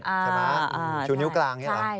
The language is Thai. ใช่ไหมชูนิ้วกลางใช่ไหม